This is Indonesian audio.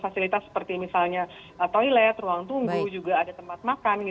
fasilitas seperti misalnya toilet ruang tunggu juga ada tempat makan